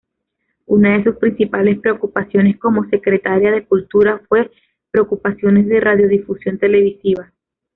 Una de sus principales preocupaciones como secretaria de Cultura fue preocupaciones de radiodifusión televisiva.